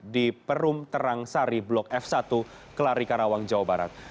di perum terang sari blok f satu kelari karawang jawa barat